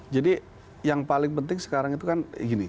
jadi yang paling penting sekarang itu kan gini